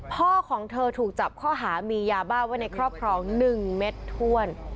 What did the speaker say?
พ่อของเธอถูกจับข้อหามียาบ้าไว้ในครอบครอง๑เม็ดถ้วน